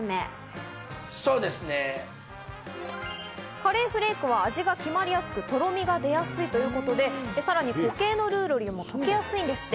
カレーフレークは味が決まりやすく、とろみが出やすいということで、さらに固形のルーよりも溶けやすいんですって。